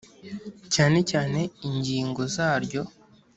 cyane cyane ingingo zaryo